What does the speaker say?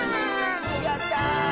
やった！